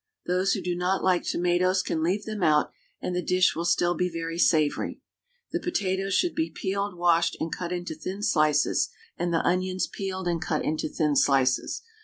Those who do not like tomatoes can leave them out, and the dish will still be very savoury. The potatoes should be peeled, washed, and cut into thin slices, and the onions peeled and cut into thin slices.